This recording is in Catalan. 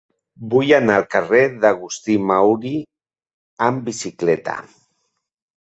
Vull anar al carrer d'Agustí Mauri amb bicicleta.